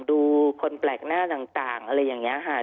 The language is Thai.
ดูคนแปลกหน้าต่างอะไรอย่างนี้ค่ะ